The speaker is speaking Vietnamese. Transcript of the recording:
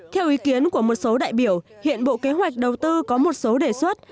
theo ý kiến của một số đại biểu hiện bộ kế hoạch đầu tư có một số đề xuất